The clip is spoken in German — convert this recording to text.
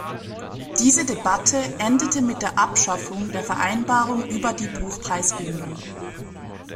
Diese Debatte endete mit der Abschaffung der Vereinbarung über die Buchpreisbindung.